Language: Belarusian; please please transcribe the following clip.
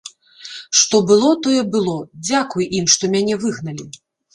Што было, тое было, дзякуй ім, што мяне выгналі.